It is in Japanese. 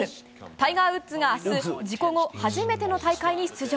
タイガー・ウッズが明日事故後初めての大会に出場。